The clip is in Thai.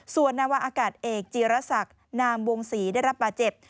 ส่วนนาวาอากาศเอกจีรศักดิ์นามวงศรีได้รับบาดเจ็บ